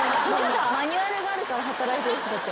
マニュアルがあるから働いてる人たちは。